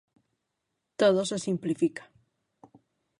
Todo se simplifica.